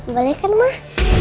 boleh kan mah